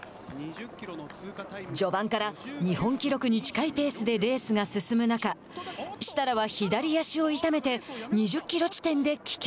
序盤から日本記録に近いペースでレースが進む中設楽は左足を痛めて２０キロ地点で棄権。